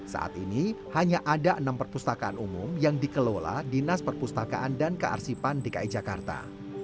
saat ini hanya ada enam perpustakaan umum yang dikelola dinas perpustakaan dan kearsipan dki jakarta